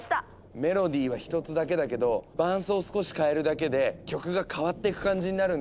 メロディーは１つだけだけど伴奏を少し変えるだけで曲が変わっていく感じになるんだ。